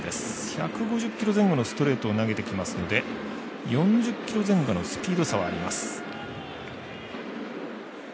１５０キロ前後のストレートを投げてきますので４０キロ前後のスピード差はあります。